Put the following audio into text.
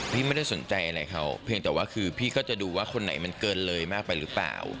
ไม่ได้สนใจอะไรเขาเพียงแต่ว่าคือพี่ก็จะดูว่าคนไหนมันเกินเลยมากไปหรือเปล่า